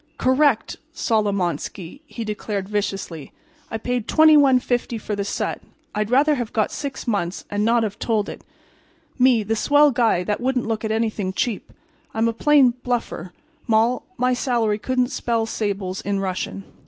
"Correct, Solomonski!" he declared, viciously. "I paid $21.50 for the set. I'd rather have got six months and not have told it. Me, the swell guy that wouldn't look at anything cheap! I'm a plain bluffer. Moll—my salary couldn't spell sables in Russian."